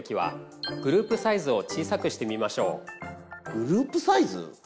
グループサイズ？